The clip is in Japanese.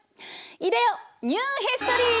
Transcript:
いでよニューヒストリー！